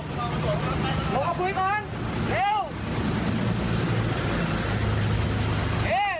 คุณผู้ชมจะดูถึงสิ่งตอนนี้